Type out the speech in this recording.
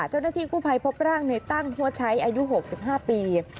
เจ้าหน้าที่กู้ภัยพบร่างในตั้งหัวใช้อายุ๖๕ปี